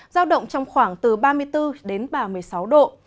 giao động trong khoảng từ ba mươi bốn đến ba mươi sáu độ